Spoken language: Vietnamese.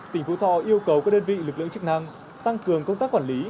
tỉnh phú thọ yêu cầu các đơn vị lực lượng chức năng tăng cường công tác quản lý